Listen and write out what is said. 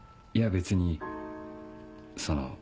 いや別にその。